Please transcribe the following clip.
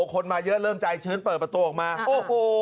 คนมาเยอะเริ่มใจชื้นเปิดประตูออกมาโอ้โห